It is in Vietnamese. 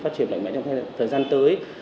phát triển mạnh mẽ trong thời gian tới